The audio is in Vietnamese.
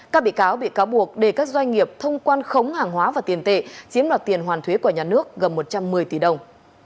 các bị cáo bị cáo buộc để các doanh nghiệp thông quan khống hàng hóa và tiền tệ chiếm đoạt tiền hoàn thuế của nhà nước gần một trăm một mươi tỷ đồng